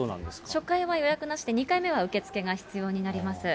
初回は予約なしで、２回目は受け付けが必要になります。